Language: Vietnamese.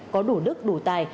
có đủ đức đủ tài